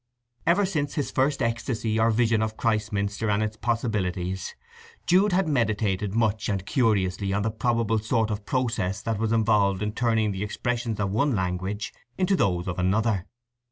Ever since his first ecstasy or vision of Christminster and its possibilities, Jude had meditated much and curiously on the probable sort of process that was involved in turning the expressions of one language into those of another.